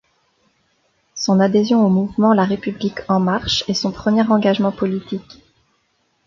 Son adhésion au mouvement La République en marche est son premier engagement politique.